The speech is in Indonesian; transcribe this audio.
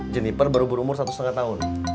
jenniper baru berumur satu lima tahun